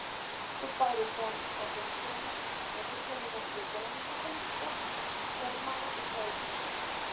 Su padre Franz Oppenheimer, un sociólogo y economista político germano-israelí.